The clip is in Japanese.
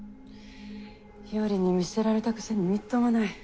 日和に見捨てられたくせにみっともない。